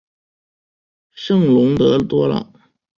圣龙德多朗。